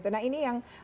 nah ini yang